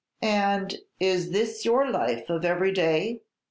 "And is this your life of every day?"